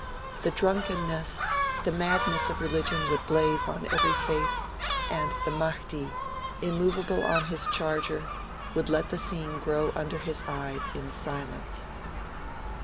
The drunkenness, the madness of religion would blaze on every face; and the Mahdi, immovable on his charger, would let the scene grow under his eyes in silence.